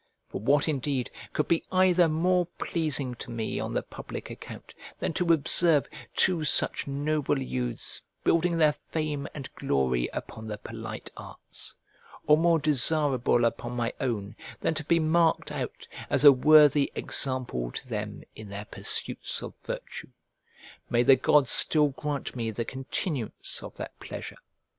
For what indeed could be either more pleasing to me on the public account than to observe two such noble youths building their fame and glory upon the polite arts; or more desirable upon my own than to be marked out as a worthy example to them in their pursuits of virtue? May the gods still grant me the continuance of that pleasure!